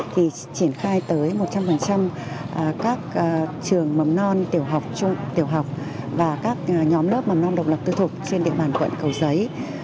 thì triển khai tới một trăm linh các trường mầm non tiểu học và các nhóm lớp mầm non độc lập tư thuộc trên địa bàn quận cầu giấy